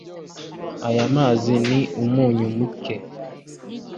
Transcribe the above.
Aya mazi ni umunyu muke